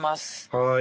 はい。